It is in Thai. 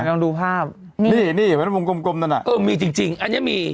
ลองดูภาพนี่นี่เห็นไหมวงกลมนั่นน่ะเออมีจริงจริงอันนี้มี